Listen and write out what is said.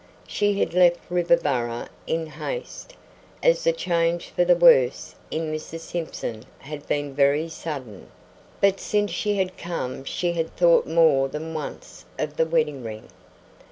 She had left Riverboro in haste, as the change for the worse in Mrs. Simpson had been very sudden, but since she had come she had thought more than once of the wedding ring.